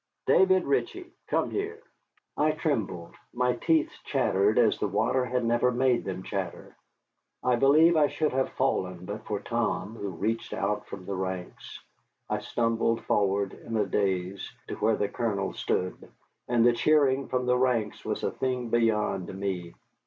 David Ritchie, come here." I trembled, my teeth chattered as the water had never made them chatter. I believe I should have fallen but for Tom, who reached out from the ranks. I stumbled forward in a daze to where the Colonel stood, and the cheering from the ranks was a thing beyond me.